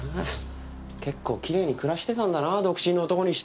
結構きれいに暮らしてたんだな独身の男にしては。